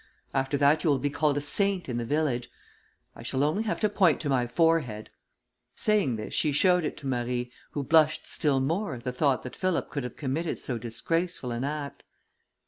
After that you will be called a saint in the village. I shall only have to point to my forehead." Saying this, she showed it to Marie, who blushed still more at the thought that Philip could have committed so disgraceful an act.